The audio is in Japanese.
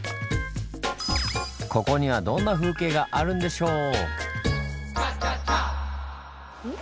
ここにはどんな風景があるんでしょう？ん？